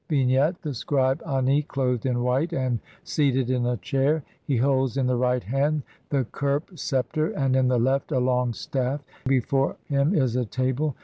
] Vignette : The scribe Ani, clothed in white and seated in a chair ; he holds in the right hand the kherp sceptre, and in the left a long staff. Before him is a table.